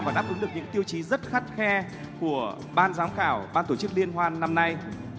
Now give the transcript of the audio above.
và đáp ứng được những tiêu chí rất khắt khe của ban giám khảo ban tổ chức liên hoan năm nay